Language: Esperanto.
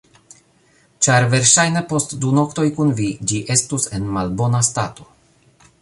Ĉar verŝajne post du noktoj kun vi ĝi estus en malbona stato.